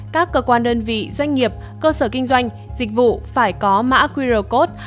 các cơ quan đơn vị doanh nghiệp cơ sở kinh doanh dịch vụ phải có mã qr code